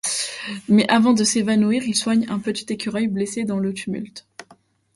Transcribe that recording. Mais avant de s'évanouir, il soigne un petit écureuil blessé dans le tumulte.